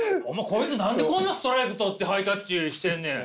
こいつ何でこんなストライク取ってハイタッチしてんねん！